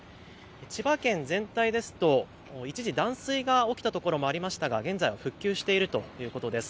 千葉県全体ですと一時断水が起きた所もありましたが現在は復旧しているということです。